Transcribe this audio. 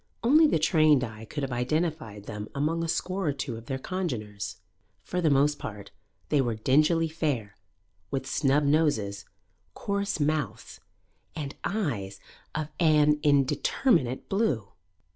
Only the trained eye could have identified them among a score or two of their congeners. For the most part, they were dingily fair, with snub noses, coarse mouths, and eyes of an indeterminate blue.